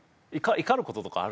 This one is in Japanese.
怒ることとかある？